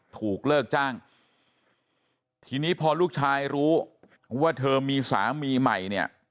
ถูกเลิกจ้างทีนี้พอลูกชายรู้ว่าเธอมีสามีใหม่เนี่ย